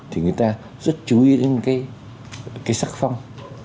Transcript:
thì người ta rất chú ý đến cái sắc phong